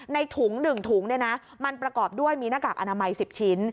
ในถุง๑ถุงมันประกอบด้วยมีหน้ากากอนามัย๑๐ชิ้น